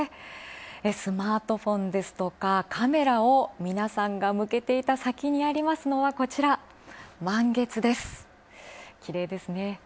スマートフォンですとか、カメラを皆さんが向けていた先にあったのは満月、きれいですね。